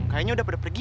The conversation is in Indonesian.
kayaknya udah pada pergi